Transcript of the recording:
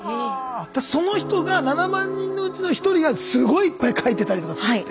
その人が７万人のうちの１人がすごいいっぱい書いてたりとかするってこと？